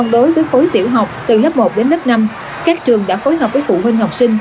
đối với khối tiểu học từ lớp một đến lớp năm các trường đã phối hợp với phụ huynh học sinh